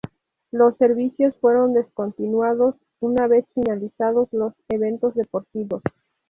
Los servicios fueron descontinuados una vez finalizados los eventos deportivos.